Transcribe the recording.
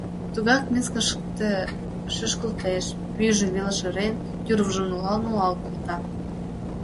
Тугак мискышке шӱшкылтеш, пӱйжым веле шырен, тӱрвыжым нулал-нулал колта.